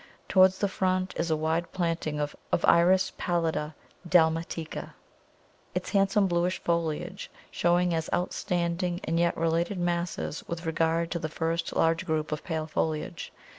Towards the front is a wide planting of Iris pallida dalmatica, its handsome bluish foliage showing as outstanding and yet related masses with regard to the first large group of pale foliage.